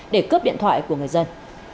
để cướp điện thoại của người dân